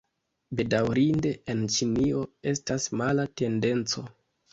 Bedaŭrinde, en Ĉinio estas mala tendenco.